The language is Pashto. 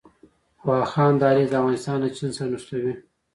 واخان دهلیز افغانستان له چین سره نښلوي